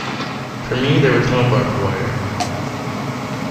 For me there was no barbed wire.